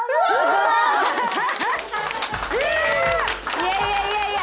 いやいやいやいや！